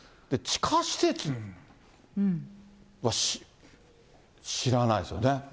地下施設は知らないですよね。